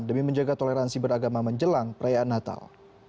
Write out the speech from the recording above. demi menjaga toleransi beragama menjelang perayaan natal